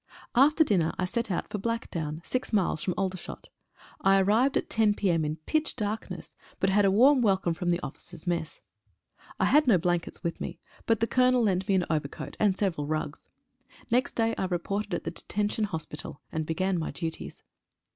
After dinner I set out for Blackdown, six miles from Aldershot. I arrived at 10 p.m. in pitch darkness, but had a warm welcome from the officers' mess. I had no blankets with me, but the Colonel lent 1 AN ARMY IN THE MAKING. me an overcoat and several rugs. Next day I reported at the Detention Hospital, and began my duties.